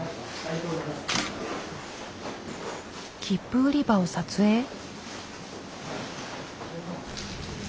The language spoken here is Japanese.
切符売り場を撮影？